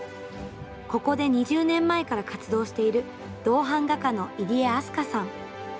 ここで２０年前から活動している銅版画家の入江明日香さん。